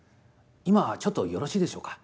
今ちょっとよろしいでしょうか。